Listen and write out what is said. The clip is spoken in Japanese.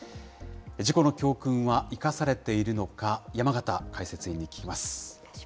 事故の教訓は生かされているのか、山形解説委員に聞きます。